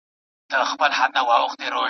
دا بیټرۍ ډېر وخت کار کوي.